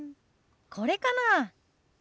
これかな。